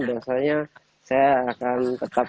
biasanya saya akan tetap